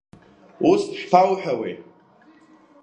Ус шԥауҳәауеи?